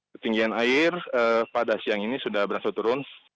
ketinggian air pada siang ini sudah berhasil turun